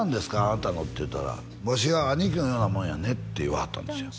あなたのって言ったらわしが兄貴のようなもんやねって言わはったんですよ